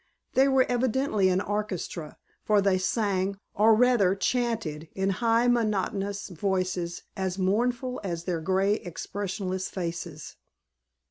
They were evidently an orchestra, for they sang, or rather chanted, in high monotonous voices, as mournful as their gray expressionless faces.